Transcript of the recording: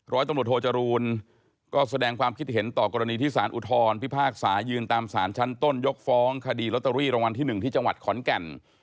ร้อยตำรวจโทจรูลก็แสดงความคิดเห็นต่อกรณีที่สารอุทธรพิพากษายืนตามสารชั้นต้นยกฟ้องคดีลอตเตอรี่รางวัลที่๑ที่จังหวัดขอนแก่น